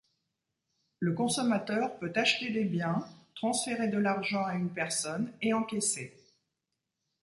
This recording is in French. Le consommateur peut acheter des biens, transférer de l'argent à une personne et encaisser.